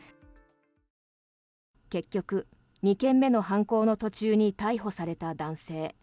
結局、２件目の犯行の途中に逮捕された男性。